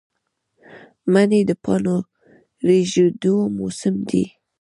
منی د پاڼو ریژیدو موسم دی